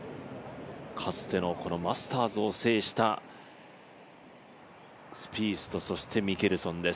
かつてのマスターズを制したスピースとそしてミケルソンです。